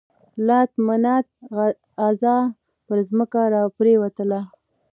لات، منات، عزا پر ځمکه را پرېوتل.